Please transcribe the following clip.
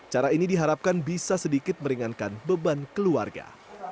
cara ini diharapkan bisa sedikit meringankan beban keluarga